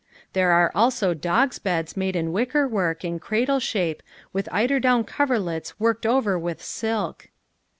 There are also dogs' beds made in wickerwork in cradle shape with eider down coverlets worked over with silk.